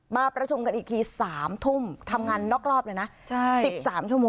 มาประชุมกันอีกที๓ทุ่มทำงานนอกรอบเลยนะ๑๓ชั่วโมง